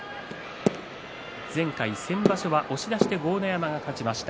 前回、先場所は押し出して豪ノ山が勝ちました。